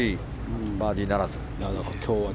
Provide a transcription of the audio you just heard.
バーディーならず。